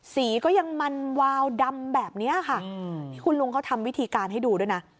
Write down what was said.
สีก็ยังมันวาวดำแบบนี้ค่ะนี่คุณลุงเขาทำวิธีการให้ดูด้วยนะ